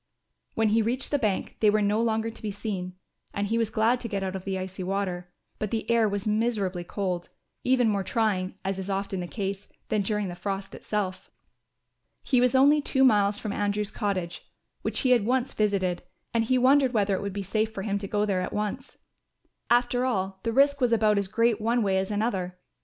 When he reached the bank they were no longer to be seen, and he was glad to get out of the icy water. But the air was miserably cold, even more trying, as is often the case, than during the frost itself. He was only two miles from Andrew's cottage, which he had once visited, and he wondered whether it would be safe for him to go there at once. After all, the risk was about as great one way as another.